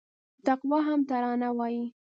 تقوا هم ترانه وايي